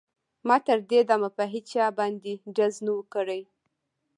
ما تر دې دمه په هېچا باندې ډز نه و کړی